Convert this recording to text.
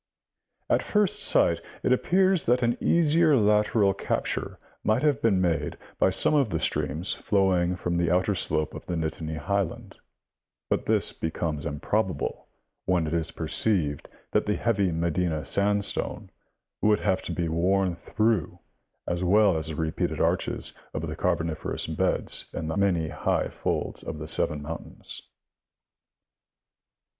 At first sight, it appears that an easier lateral capture might have been made by some of the streams flowing from the outer slope of the Nittany highland ; but this becomes improbable when it is perceived that the heavy Medina sandstone would here have to be worn through as well as the repeated arches of the Cai'boniferous beds in the many high folds of the Seven Mountains.